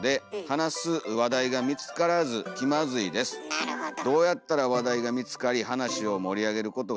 なるほど。